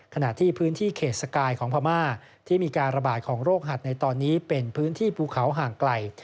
ขณะที่พื้นที่เขตสกายของพม่าที่มีการระบาดของโรคหัดในตอนนี้เป็นพื้นที่ภูเขาห่างไกล